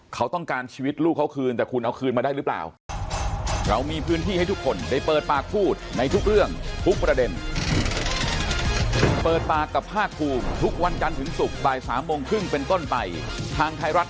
เขาต้องการชีวิตลูกเขาคืนแต่คุณเอาคืนมาได้หรือเปล่า